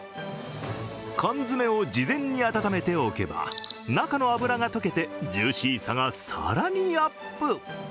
缶詰を事前に温めておけば、中の油が溶けてジューシーさが更にアップ。